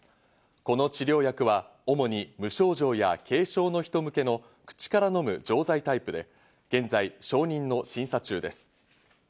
この治療薬は主に無症状や軽症の人向けの口から飲む錠剤タイプで、現在承認の審査中です。